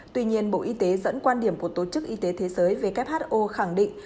tuy nhiên bộ y tế dẫn quan điểm của tổ chức y tế thế giới who khẳng định